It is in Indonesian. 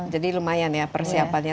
jadi lumayan ya persiapannya